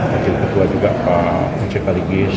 wakil ketua juga pak ojeka likis